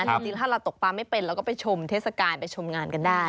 จริงถ้าเราตกปลาไม่เป็นเราก็ไปชมเทศกาลไปชมงานกันได้